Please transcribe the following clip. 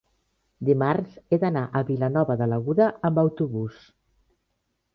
dimarts he d'anar a Vilanova de l'Aguda amb autobús.